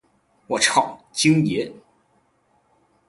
我超，京爷